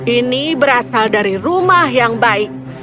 ini berasal dari rumah yang baik